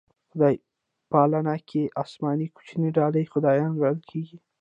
خدای پالنه کې اسماني کوچنۍ ډلې خدایان ګڼل کېږي.